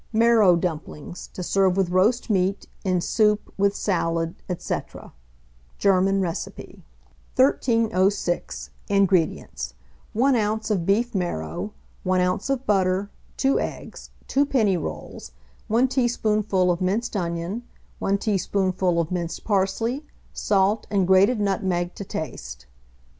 MARROW DUMPLINGS, to serve with Roast Meat, in Soup, with Salad, &c. (German Recipe.) 1306. INGREDIENTS. 1 oz. of beef marrow, 1 oz. of butter, 2 eggs, 2 penny rolls, 1 teaspoonful of minced onion, 1 teaspoonful of minced parsley, salt and grated nutmeg to taste.